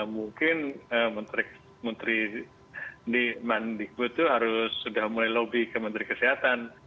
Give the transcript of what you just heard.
mungkin menteri mendikbud itu harus sudah mulai lobby ke menteri kesehatan